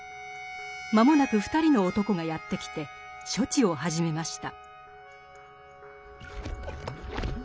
間もなく２人の男がやって来て処置を始めました。